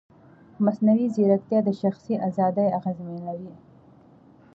مصنوعي ځیرکتیا د شخصي ازادۍ اغېزمنوي.